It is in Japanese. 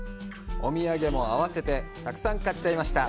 お土産もあわせてたくさん買っちゃいました。